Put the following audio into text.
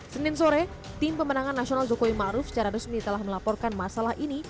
senin sore tim pemenangan nasional jokowi maruf secara resmi telah melaporkan masalah ini